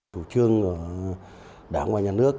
thủ trương của đảng và nhà nước